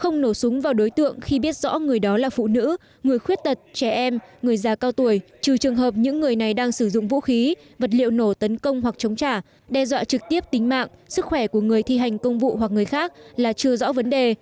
không nổ súng vào đối tượng khi biết rõ người đó là phụ nữ người khuyết tật trẻ em người già cao tuổi trừ trường hợp những người này đang sử dụng vũ khí vật liệu nổ tấn công hoặc chống trả đe dọa trực tiếp tính mạng sức khỏe của người thi hành công vụ hoặc người khác là chưa rõ vấn đề